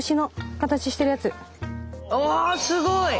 おおすごい！